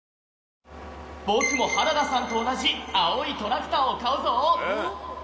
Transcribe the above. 僕も原田さんと同じ青いトラクターを買うぞ！